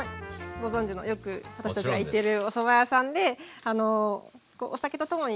ご存じのよく私たちが行ってるおそば屋さんでこうお酒と共に出てくる感じ。